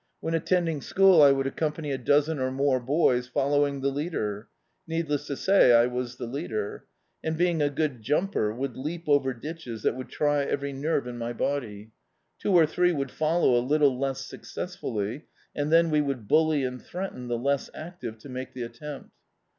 When attending school I would accom pany a dozen or more boys "following the leader." Needless to say, I was the leader; and, being a good jumper, would leap over ditches that would try every nerve in my body. Two or three would follow a little less successfully, and then we would bully and threaten the less active to make the attempt.